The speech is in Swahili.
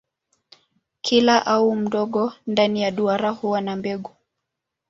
Kila ua mdogo ndani ya duara huwa na mbegu.